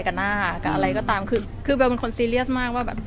กับหน้ากับอะไรก็ตามคือเบลมันคนซีเรียสมาก